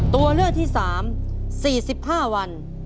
ตัวเลือกที่๓๔๕วัน